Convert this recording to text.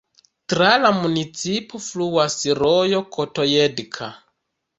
Tra la municipo fluas rojo Kotojedka.